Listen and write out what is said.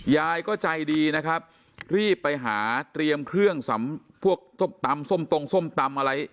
ยายก็ใจดีนะครับรีบไปหาเตรียมเครื่องสำพวกส้มตำส้มตรงส้มตำอะไร